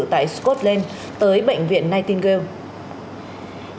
tại scotland tới bệnh viện nightingale